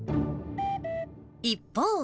一方。